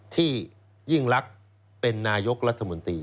ยิ่งรักเป็นนายกรัฐมนตรี